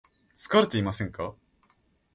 疲れていませんか